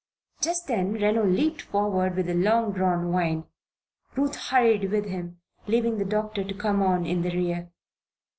Just then Reno leaped forward with a long drawn whine. Ruth hurried with him, leaving the doctor to come on in the rear.